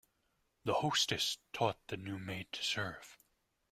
The hostess taught the new maid to serve.